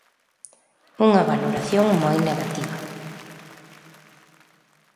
Unha valoración moi negativa.